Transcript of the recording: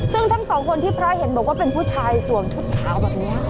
ซึ่งทั้งสองคนที่พระเห็นบอกว่าเป็นผู้ชายสวมชุดขาวแบบนี้